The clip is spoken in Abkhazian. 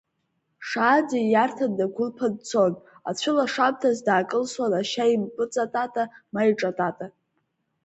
Шаанӡа ииарҭа днагәылԥан дцон, ацәылашамҭаз даакылсуан ашьа импыҵатата, ма иҿатата.